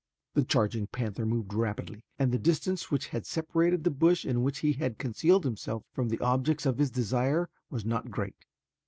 The charging panther moved rapidly, and the distance which separated the bush in which he had concealed himself from the objects of his desire was not great.